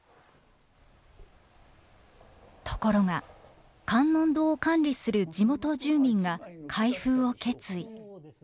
ところが観音堂を管理する地元住民が開封を決意。